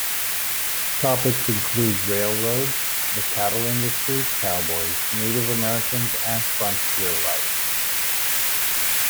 Topics include railroads, the cattle industry, cowboys, Native Americans and frontier life.